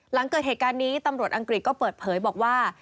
หลังเกิดเหตุการณ์นี้ตำรวจอังกฤษก็เปิดเผยบอกว่า